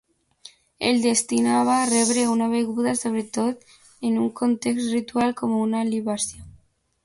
Es destinava a rebre una beguda, sobretot en un context ritual, com una libació.